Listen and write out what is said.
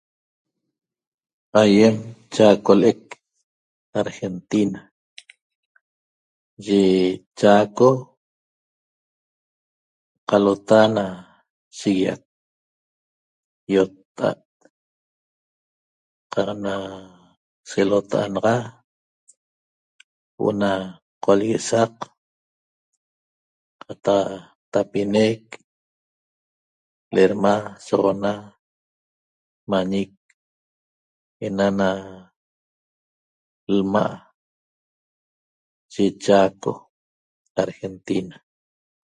Aiem Chaco le'ec Argentina, ye Chaco qalota na shiguiac iotta'at qaq na selota'a naxa huo'o na qolleguesaq qataq tapinec lerema sauana mañec ena na lma' ye Chaco Argentina